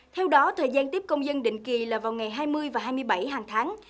theo đó thời gian tiếp công dân định kỳ là vào ngày hai mươi và hai mươi bảy hàng tháng